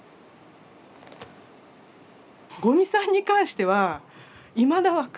五味さんに関してはいまだ分かんない。